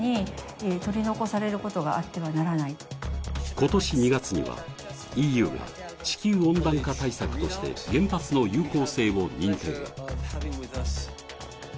今年２月には、ＥＵが地球温暖化対策として原発の有効性を認定。